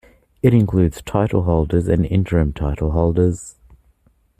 It includes title holders and interim title holders.